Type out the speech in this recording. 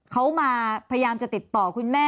เขามาพยายามจะติดต่อที่ไหนค่ะ